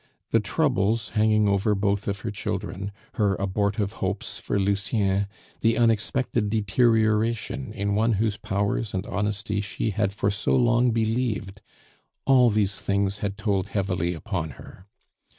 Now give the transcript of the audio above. The troubles hanging over both of her children, her abortive hopes for Lucien, the unexpected deterioration in one in whose powers and honesty she had for so long believed, all these things had told heavily upon her.